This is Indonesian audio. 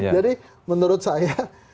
jadi menurut saya